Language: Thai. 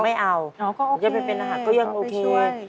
อย่างเป็นไม่โอเค